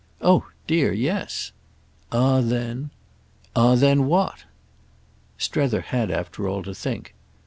"Oh dear, yes." "Ah then—!" "Ah then what?" Strether had after all to think.